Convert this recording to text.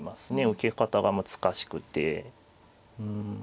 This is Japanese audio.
受け方が難しくて。